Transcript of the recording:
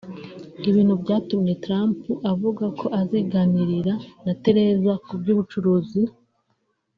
ibintu byatumye Trump avuga ko aziganirira na Theresa ku by’Ubucuruzi